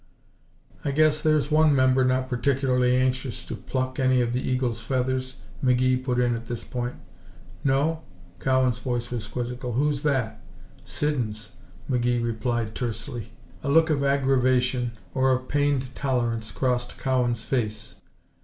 "I guess there's one member not particularly anxious to pluck any of the eagle's feathers," McGee put in at this point. "No?" Cowan's voice was quizzical. "Who's that?" "Siddons," McGee replied tersely. A look of aggravation, or of pained tolerance, crossed Cowan's face.